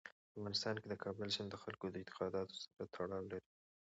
په افغانستان کې د کابل سیند د خلکو د اعتقاداتو سره تړاو لري.